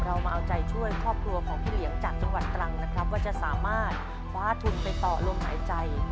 เรามาเอาใจช่วยครอบครัวของพี่เหลียงจากจังหวัดตรังนะครับว่าจะสามารถคว้าทุนไปต่อลมหายใจ